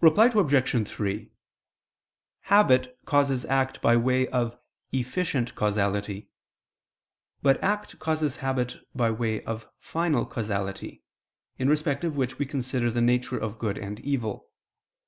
Reply Obj. 3: Habit causes act by way of efficient causality: but act causes habit, by way of final causality, in respect of which we consider the nature of good and evil.